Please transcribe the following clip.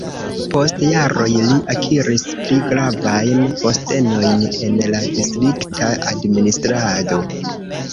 Post jaroj li akiris pli gravajn postenojn en la distrikta administrado.